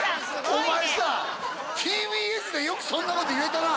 お前さＴＢＳでよくそんなこと言えたな！